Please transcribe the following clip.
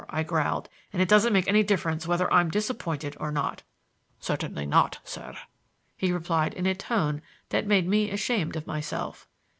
I growled; "and it doesn't make any difference whether I'm disappointed or not." "Certainly not, sir!" he replied in a tone that made me ashamed of myself.